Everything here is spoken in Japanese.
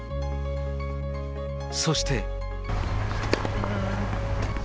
そして。